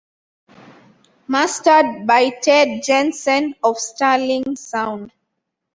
Mastered by Ted Jensen of Sterling Sound.